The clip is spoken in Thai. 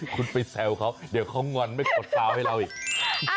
คุณไปแซวเขาเดี๋ยวเขางอนไม่กดซาวให้เราอีก